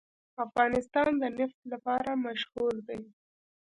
افغانستان د نفت لپاره مشهور دی.